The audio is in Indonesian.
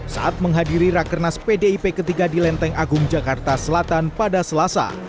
saat menghadiri rakernas pdip ketiga di lenteng agung jakarta selatan pada selasa